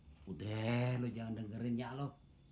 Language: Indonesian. mak udah lo jangan dengerin nyak lo